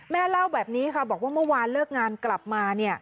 แม่เล่าแบบนี้ค่ะบอกว่าเมื่อวานเลิกงานกลับมา